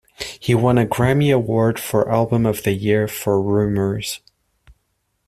He won a Grammy Award for Album of the Year for "Rumours".